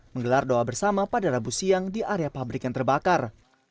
menggelar doa bersama pada rabu siang di area pabrik yang terbakar